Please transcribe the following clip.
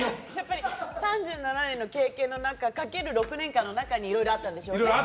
３７年の経験かける６年間の中にいろいろあったんでしょうね。